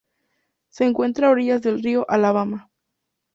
Se encuentra a orillas del río Alabama.